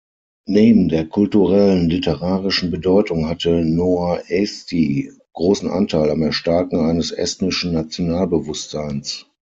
Neben der kulturellen, literarischen Bedeutung hatte "Noor-Eesti" großen Anteil am Erstarken eines estnischen Nationalbewusstseins.